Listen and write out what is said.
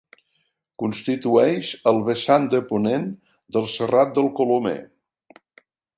Constitueix el vessant de ponent del Serrat del Colomer.